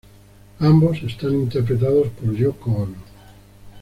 Ambos están interpretados por Yōko Ono.